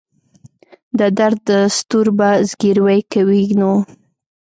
د درد دستور به زګیروی کوي نو.